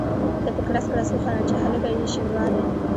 ده په کړس کړس وخندل چې هلکه یې شینواری.